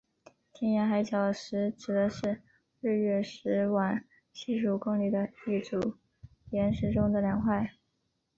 天涯海角石指的是日月石往西数公里的一组岩石中的两块。